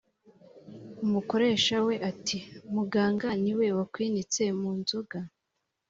umukoresha we ati muganga ni we wakwinitse mu nzoga?